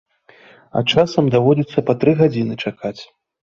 А часам даводзіцца па тры гадзіны чакаць!